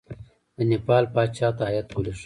د نیپال پاچا ته هیات ولېږو.